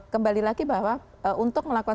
kembali lagi bahwa untuk melakukan